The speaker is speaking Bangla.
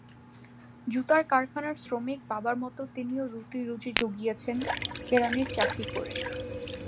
জুতার কারখানার শ্রমিক বাবার মতো তিনিও রুটি-রুজি জুগিয়েছিলেন কেরানির চাকরি করে।